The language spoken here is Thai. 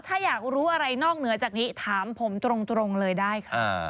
ถ้าอยากรู้อะไรนอกเหนือจากนี้ถามผมตรงเลยได้ค่ะ